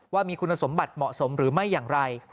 ว่ามีคุณสมบัติเหมาะสมหรือไม่อย่างไร